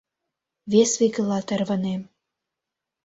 Вес векыла тарванем.